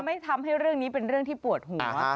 ทำให้เรื่องนี้เป็นเรื่องที่ปวดหัว